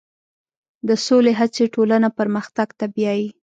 د سولې هڅې ټولنه پرمختګ ته بیایي.